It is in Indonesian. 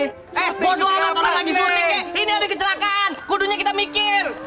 eh bodo amat orang lagi syuting kek ini ada kecelakaan kudunya kita mikir